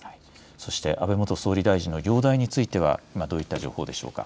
そして、安倍元総理大臣の容体についてはどういった情報でしょうか。